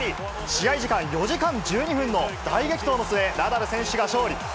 試合時間４時間１２分の大激闘の末、ナダル選手が勝利。